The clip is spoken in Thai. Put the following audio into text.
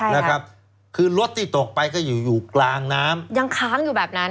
นะครับคือรถที่ตกไปก็อยู่อยู่กลางน้ำยังค้างอยู่แบบนั้น